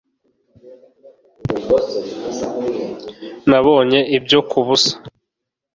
Nabonye ibyo kubusa